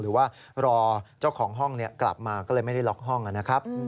หรือว่ารอเจ้าของห้องกลับมาก็เลยไม่ได้ล็อกห้องนะครับ